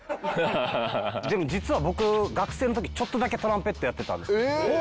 でも実は僕学生の時ちょっとだけトランペットやってたんです。